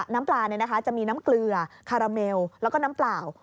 น้ำปลาจะมีน้ำเกลือคาราเมลแล้วก็น้ำเปล่า